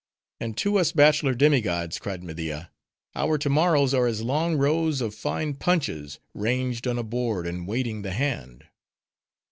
"And to us bachelor demi gods," cried Media "our to morrows are as long rows of fine punches, ranged on a board, and waiting the hand."